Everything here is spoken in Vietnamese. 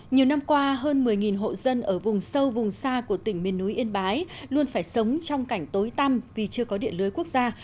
nhiều năm qua hơn một mươi hộ dân ở vùng sâu vùng xa của tỉnh miền núi yên bái luôn phải sống trong cảnh tối tăm vì chưa có điện lưới quốc gia